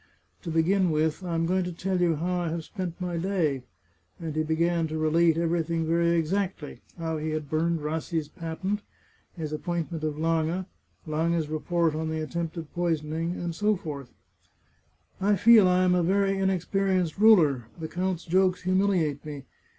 To begin with, I am going to tell you how I have spent my day." And he began to relate everything very exactly. How he had burned Rassi's patent, his ap pointment of Lange, Lange's report on the attempted poi soning, and so forth. " I feel I am a very inexperienced ruler. The count's jokes humiliate me.